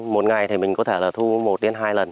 một ngày thì mình có thể là thu một đến hai lần